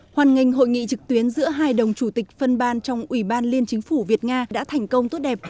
hoàn ngành hội nghị trực tuyến giữa hai đồng chủ tịch phân ban trong ủy ban liên chính phủ việt nga đã thành công tốt đẹp